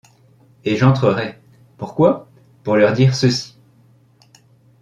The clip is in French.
Et j'entrerais. Pourquoi ? Pour leur dire : ceci :